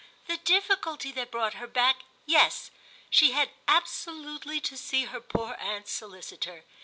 "The difficulty that brought her back, yes: she had absolutely to see her poor aunt's solicitor.